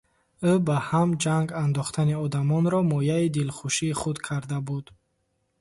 Ӯ ба ҳам ҷанг андохтани одамонро мояи дилхушии худ карда буд.